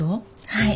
はい。